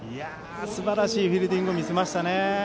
すばらしいフィールディングを見せましたね。